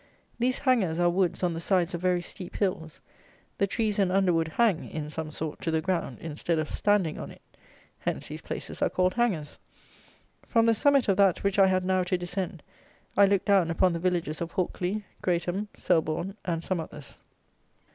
These hangers are woods on the sides of very steep hills. The trees and underwood hang, in some sort, to the ground, instead of standing on it. Hence these places are called Hangers. From the summit of that which I had now to descend, I looked down upon the villages of Hawkley, Greatham, Selborne and some others.